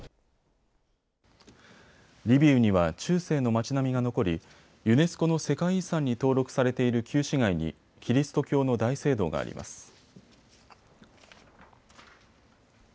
リビウには中世の町並みが残りユネスコの世界遺産に登録されている旧市街にキリスト教の大聖堂があります。